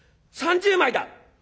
３０枚だ」。